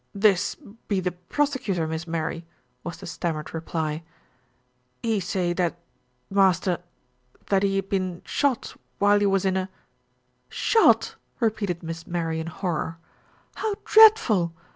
"This be the prosecutor, Miss Mary," was the stam mered reply. "He say that Master that he ha' been shot while he was in a " "Shot!" repeated Miss Mary in horror. "How dreadful